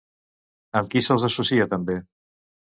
Amb qui se'ls associa també?